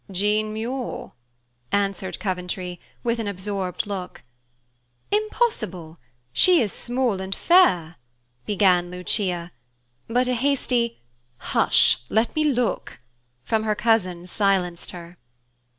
"Jean Muir," answered Coventry, with an absorbed look. "Impossible! She is small and fair," began Lucia, but a hasty "Hush, let me look!" from her cousin silenced her.